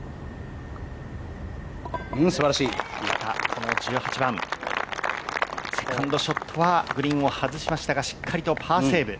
この１７番セカンドショットはグリーンを外しましたがしっかりとパーセーブ。